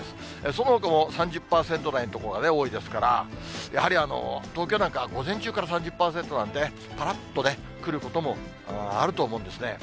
そのほかも３０％台の所が多いですから、やはり、東京なんかは午前中から３０％なんで、ぱらっとね、来ることもあると思うんですね。